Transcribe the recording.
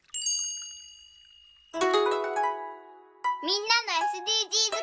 みんなのＳＤＧｓかるた。